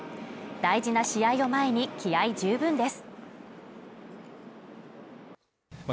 大事な試合を前に気合十分です。